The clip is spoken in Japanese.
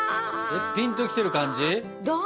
ピンときてる感じ？